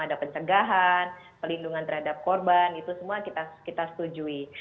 ada pencegahan pelindungan terhadap korban itu semua kita setujui